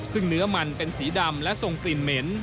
ซึ่งเนื้อมันเป็นสีดำและทรงกลิ่นเหม็น